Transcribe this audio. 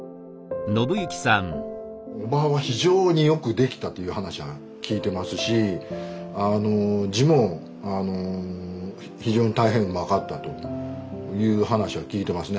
おばは非常によくできたという話は聞いてますしあの字も非常に大変うまかったという話は聞いてますね。